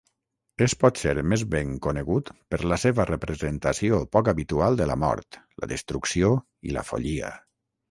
És potser més ben conegut per la seva representació poc habitual de la mort, la destrucció i la follia.